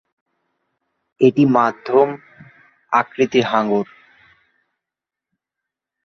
এটি মধ্যম আকৃতির হাঙর।